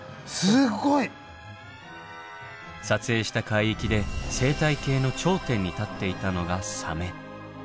すごい！撮影した海域で生態系の頂点に立っていたのがサメ。